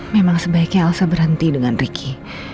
memang sebaiknya elsa berhenti dengan ricky